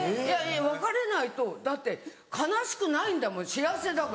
別れないとだって悲しくないんだもん幸せだから。